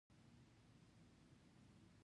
د جګدلک یاقوت سور رنګ لري.